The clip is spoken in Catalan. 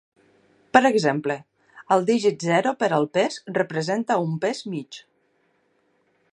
Per exemple, el digit zero per al pes representa un pes mig.